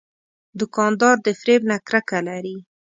دوکاندار د فریب نه کرکه لري.